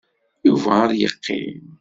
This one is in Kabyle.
Yuba ad yeqqim.